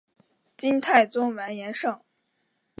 金太宗完颜晟。